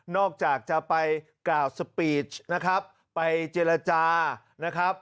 นอกจากจะไปกล่าวท์สปีกไปเจรจา